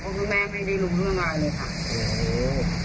เพราะคุณแม่ไม่ได้รู้เรื่องอะไรเลยค่ะ